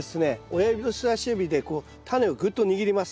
親指と人さし指でタネをぐっと握ります。